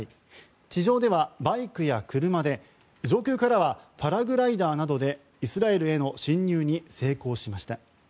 地上ではバイクや車で上空からはパラグライダーなどでイスラエルへの侵入に成功しました。